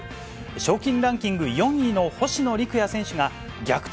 賞金ランキング４位の星野陸也選手が逆転